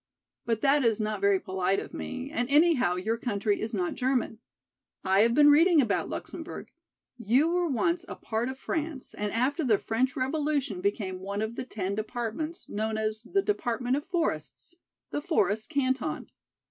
But that is not very polite of me and anyhow your country is not German. I have been reading about Luxemburg. You were once a part of France and after the French revolution became one of the ten departments, known as the department of forests, the Forest Canton.